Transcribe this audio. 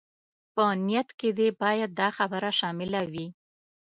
په نيت کې دې بايد دا خبره شامله وي.